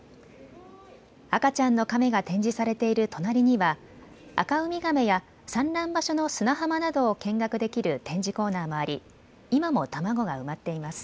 赤ちゃんのカメが展示されている隣にはアカウミガメや産卵場所の砂浜などを見学できる展示コーナーもあり今も卵が埋まっています。